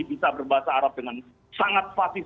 bisa berbahasa arab dengan sangat fasis